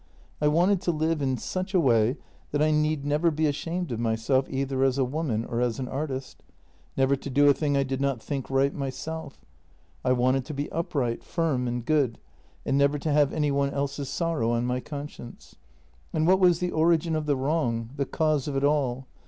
" I wanted to live in such a way that I need never be ashamed of myself either as a woman or as an artist. Never to do a thing I did not think right myself. I wanted to be upright, firm, and good, and never to have any one else's sorrow on my conscience. And what was the origin of the wrong — the cause of it all?